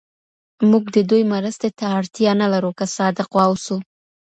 موږ د دوی مرستې ته اړتیا نه لرو که صادق واوسو.